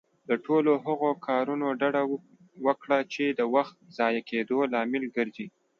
له ټولو هغه کارونه ډډه وکړه، چې د وخت ضايع کيدو لامل ګرځي.